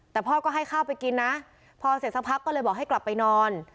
แต่พ่อก็ให้ข้าวไปกินนะพอเสร็จสักพักก็เลยบอกให้กลับไปนอน